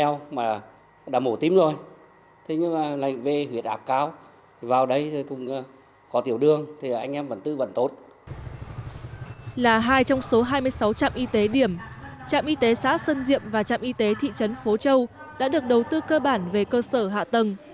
là hai trong số hai mươi sáu trạm y tế điểm trạm y tế xã sơn diệm và trạm y tế thị trấn phố châu đã được đầu tư cơ bản về cơ sở hạ tầng